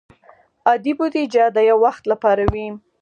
عادي بودیجه د یو وخت لپاره وي.